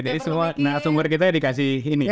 jadi semua sumber kita dikasih ini